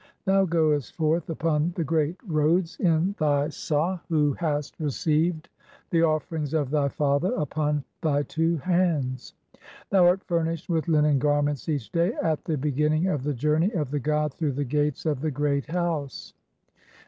Thou goest forth upon the great roads in thy Sail, who "hast received the offerings of thy father upon thy two hands ; "thou art furnished with linen garments each day, at the be ginning of the journey of the god through the gates of the "(46) Great House."